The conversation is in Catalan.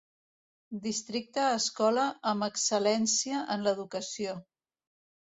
Districte escola amb excel·lència en l'educació.